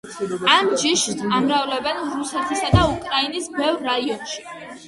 ამ ჯიშს ამრავლებენ რუსეთისა და უკრაინის ბევრ რაიონში.